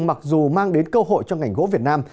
mặc dù mang đến cơ hội cho ngành gỗ việt nam